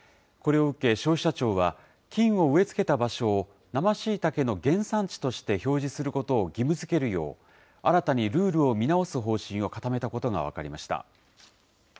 これを受け、消費者庁は、菌を植え付けた場所を、生しいたけの原産地として標示することを義務づけるよう新たにルールを見直す方針を固めたことが分かりました。